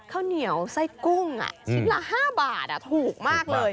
ข้าวเหนียวไส้กุ้งชิ้นละ๕บาทถูกมากเลย